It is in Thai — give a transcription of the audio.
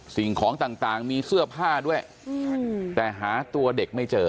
สิ่งของต่างมีเสื้อผ้าด้วยแต่หาตัวเด็กไม่เจอ